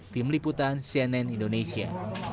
tim liputan cnn indonesia